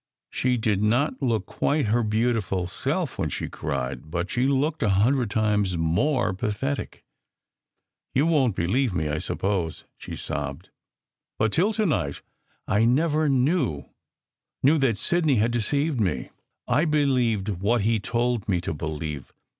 She did not look quite her beautiful self when she cried, but she looked a hundred times more pathetic. "You won t believe me, I suppose," she sobbed, "but till to night I never knew knew that Sidney had deceived me. I believed what he told me to believe.